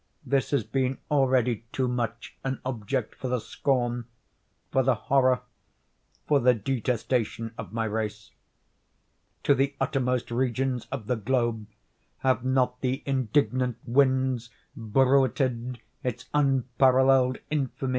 This has been already too much an object for the scorn—for the horror—for the detestation of my race. To the uttermost regions of the globe have not the indignant winds bruited its unparalleled infamy?